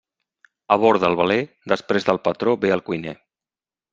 A bord del veler, després del patró ve el cuiner.